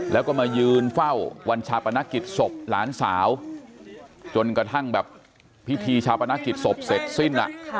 แล้วก็มายืนเฝ้าวันชาปนกิจศพหลานสาวจนกระทั่งแบบพิธีชาปนกิจศพเสร็จสิ้น